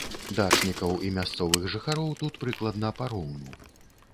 Дачнікаў і мясцовых жыхароў тут прыкладна пароўну.